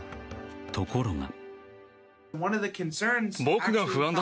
ところが。